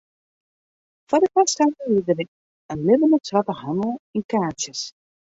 Foar dy foarstellingen wie der in libbene swarte handel yn kaartsjes.